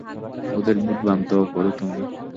ওদের বিভ্রান্ত করো তুমি।